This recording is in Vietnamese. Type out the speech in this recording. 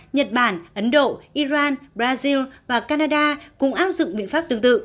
nhật bản ấn độ iran brazil và canada cũng áp dụng biện pháp tương tự